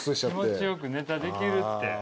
気持ち良くネタできるって。